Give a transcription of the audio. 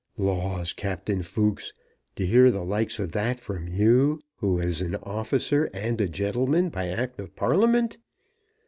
"Laws, Captain Fooks, to hear the likes of that from you, who is an officer and a gentleman by Act of Parliament!